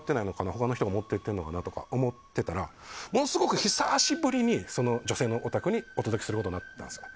ほかの人が持って行っているのかなと思っていたらものすごく久しぶりにその女性のお宅にお届けすることになったんですよ。